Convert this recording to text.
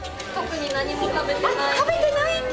食べてないんだ。